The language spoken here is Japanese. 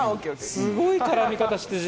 すごい絡み方して。